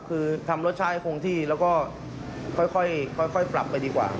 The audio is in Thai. คือทำรสชาติให้คงที่แล้วก็ค่อยปรับไปดีกว่า